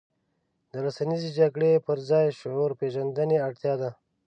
د رسنیزې جګړې پر ځای شعور پېژندنې اړتیا ده.